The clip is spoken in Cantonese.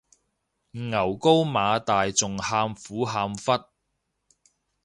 牛高馬大仲喊苦喊忽